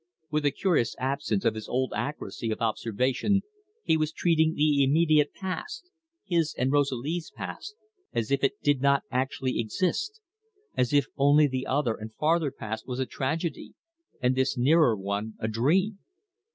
With a curious absence of his old accuracy of observation he was treating the immediate past his and Rosalie's past as if it did not actually exist; as if only the other and farther past was a tragedy, and this nearer one a dream.